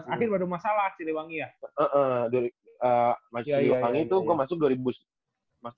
akhirnya udah masalah ciliwangi ya